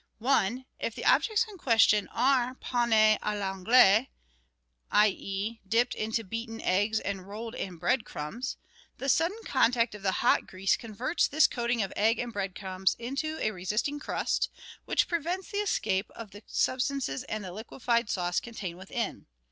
I. If the objects in question are panes a I'anglaise, i.e., 126 GUIDE TO MODERN COOKERY dipped in beaten eggs and rolled in bread crumbs, the sudden contact of the hot grease converts this coating of egg and bread crumbs into a resisting crust, which prevents the escape of the substances and the liquefied sauce contained within.